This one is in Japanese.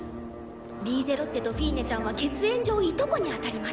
リーゼロッテとフィーネちゃんは血縁上いとこにあたります。